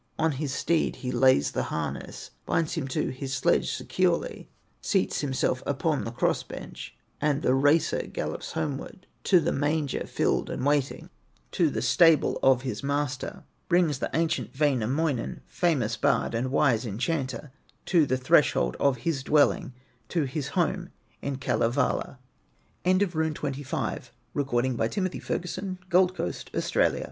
On his steed he lays the harness, Binds him to his sledge securely, Seats himself upon the cross bench, And the racer gallops homeward, To the manger filled and waiting, To the stable of his master; Brings the ancient Wainamoinen, Famous bard and wise enchanter, To the threshold of his dwelling, To his home in Kalevala. RUNE XXVI. ORIGIN OF THE SERPENT. Ahti, living on the island, Near the Kauko point and h